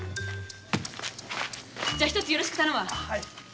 じゃ一つよろしく頼む。